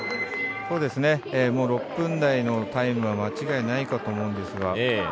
６分台のタイムは間違いないかと思うんですが。